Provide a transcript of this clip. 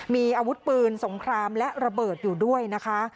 มีอาวุธปืนสงครามและระเบิดอยู่ด้วยนะคะ